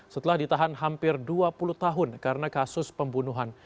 setelah ditahan hampir dua puluh tahun karena kasus pembunuhan